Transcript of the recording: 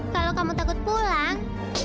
kalau kamu takut pulang